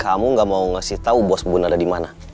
kamu gak mau ngasih tau bos bubun ada dimana